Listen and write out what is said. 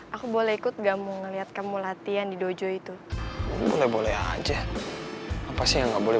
aku boleh ikut gak mau ngelihat kamu latihan di dojo itu boleh boleh aja apa sih nggak boleh